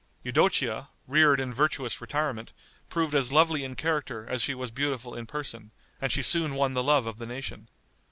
Eudocia, reared in virtuous retirement, proved as lovely in character as she was beautiful in person, and she soon won the love of the nation.